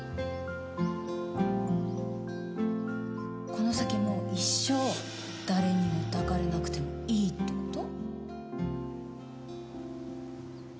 この先も一生誰にも抱かれなくてもいいってこと？